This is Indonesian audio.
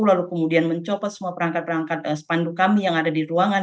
lalu kemudian mencopot semua perangkat perangkat spanduk kami yang ada di ruangan